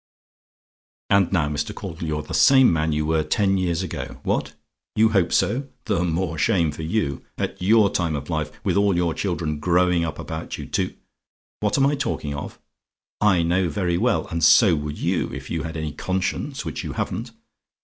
"And now, Mr. Caudle, you're the same man you were ten years ago. What? "YOU HOPE SO? "The more shame for you. At your time of life, with all your children growing up about you, to "WHAT AM I TALKING OF? "I know very well; and so would you, if you had any conscience, which you haven't.